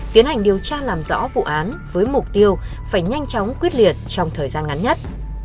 tiến hành điều tra làm rõ vụ án với mục tiêu phải nhanh chóng quyết liệt trong thời gian ngắn nhất